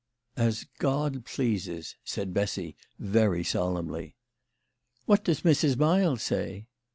" As God pleases," said Bessy, very solemnly. " What does Mrs. Miles say